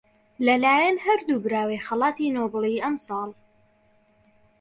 لەلایەن هەردوو براوەی خەڵاتی نۆبڵی ئەمساڵ